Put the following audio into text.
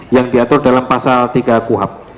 yang diatur dalam pasal tiga kuhap